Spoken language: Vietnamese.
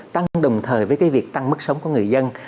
tăng đồng thời với việc tăng mức sống của người dân